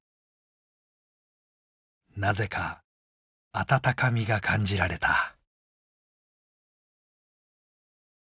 なぜか温かみが感じられた。